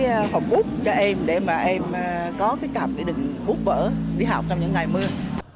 với lại một cái hộp bút cho em để mà em có cái cặp để đừng bút vỡ đi học trong những ngày mưa